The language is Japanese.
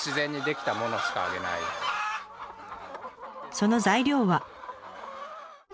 その材料は。